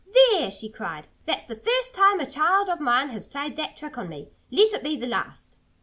"There!" she cried. "That's the first time a child of mine has played that trick on me.... Let it be the last!"